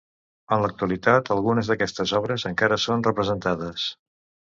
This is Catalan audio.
En l'actualitat, algunes d'aquestes obres encara són representades.